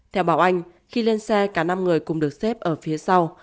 theo bảo anh khi lên xe cả năm người cùng được xếp ở phía sau